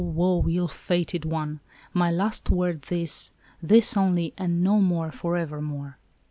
woe ! ill fated one ! my last word this. This only, and no more forevermore."